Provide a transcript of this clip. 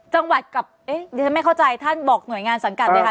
จังหวัดกับดิฉันไม่เข้าใจท่านบอกหน่วยงานสังกัดเลยค่ะ